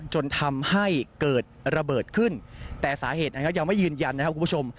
จนทำให้เกิดระเบิดขึ้นแต่สาเหตุนะครับยังไม่ยืนยันนะครับคุณผู้ชม